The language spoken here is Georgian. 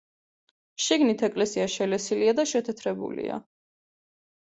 შიგნით ეკლესია შელესილია და შეთეთრებულია.